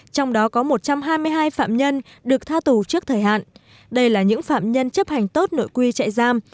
trong đó có một trăm hai mươi hai phạm nhân được tha tù trước thời hạn đây là những phạm nhân chấp hành tốt nội quy chạy giam